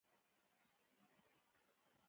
د چا چي یوازیتوب پیل شوی وي، هغه ډېر خفه وي.